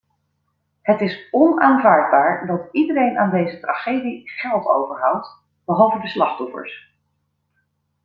Het is onaanvaardbaar dat iedereen aan deze tragedie geld overhoudt, behalve de slachtoffers.